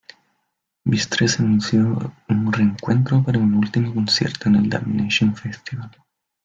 Mistress anunció un reencuentro para un último concierto en el Damnation Festival.